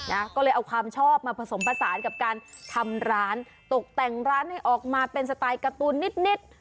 นะก็เลยเอาความชอบมาผสมผสานกับการทำร้านตกแต่งร้านให้ออกมาเป็นสไตล์การ์ตูนนิดนิด